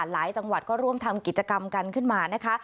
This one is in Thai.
จังหวัดก็ร่วมทำกิจกรรมกันขึ้นมานะคะ